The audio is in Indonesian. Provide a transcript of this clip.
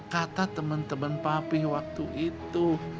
kata temen temen papi waktu itu